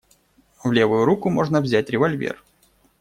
В левую руку можно взять револьвер.